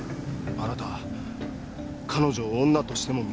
あなたは彼女を女としても見ていた。